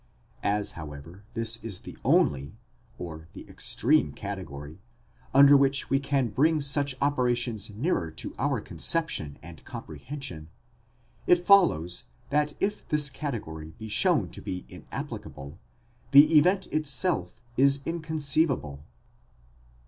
As, however, this is the only, or the extreme category, under which we can bring such operations nearer to our conception and comprehension ; it follows that if this category be shown to be inapplicable, the event itself is inconceivable.